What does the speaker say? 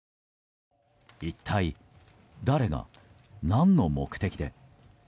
一体、誰が何の目的で。